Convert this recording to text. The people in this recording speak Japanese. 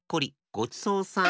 ごちそうさん。